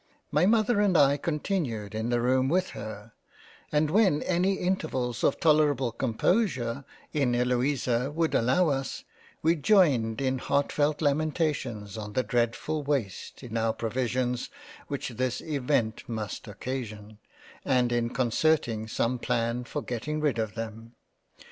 My Mother and I continued in the room with her, and when any intervals of tolerable Composure in Eloisa would allow us, we joined in heartfelt lamentations on the dreadful Waste in our provisions which this Event must occasion, and in con certing some plan for getting rid of them.